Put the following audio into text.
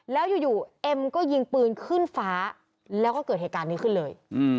แล้วอยู่เอ็มก็ยิงปืนขึ้นฟ้าแล้วก็เกิดเหตุการณ์นี้ขึ้นเลย